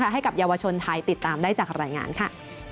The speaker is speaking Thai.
ให้กับเยาวชนไทยติดตามได้จากรายงานค่ะ